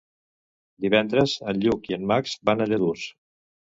Divendres en Lluc i en Max van a Lladurs.